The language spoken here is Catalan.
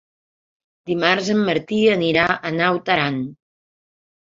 Dimarts en Martí anirà a Naut Aran.